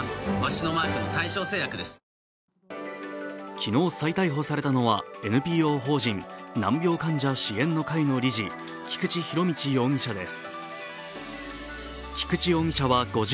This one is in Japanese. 昨日、再逮捕されたのはＮＰＯ法人・難病患者支援の会の理事菊池仁達容疑者です。